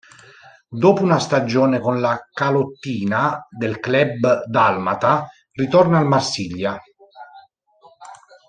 Dopo una stagione con la calottina del club dalmata, ritorna al Marsiglia.